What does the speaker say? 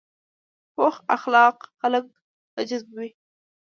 پوخ اخلاق خلک راجذبوي